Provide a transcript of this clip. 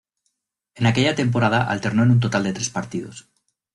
En aquella temporada alternó en un total de tres partidos.